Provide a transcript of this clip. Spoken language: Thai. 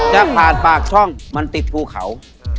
จะผ่านปากช่องมันติดภูเขา